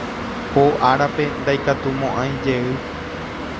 Ko árape ndaikatumo'ãijey.